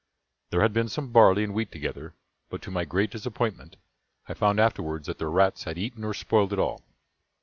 There had been some barley and wheat together; but, to my great disappointment, I found afterwards that the rats had eaten or spoiled it all.